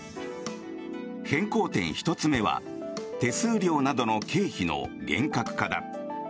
変更点１つ目は手数料などの経費の厳格化だ。